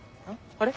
あれ？